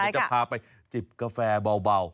เดี๋ยวจะพาไปจิบกาแฟเบา